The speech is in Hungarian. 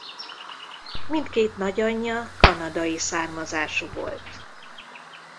Mindkét nagyanyja kanadai származású volt.